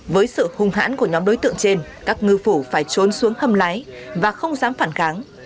với sự hùng hãn của nhóm đối tượng trên các ngư phụ phải trốn xuống hâm lái và không dám phản kháng